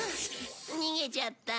逃げちゃった。